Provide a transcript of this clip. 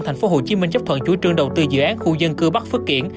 thành phố hồ chí minh chấp thuận chủ trương đầu tư dự án khu dân cư bắc phước kiển